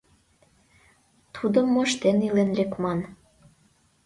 Тудым моштен илен лекман.